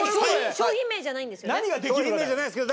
商品名じゃないですけど。